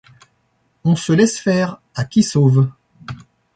On se laisse faire à qui sauve.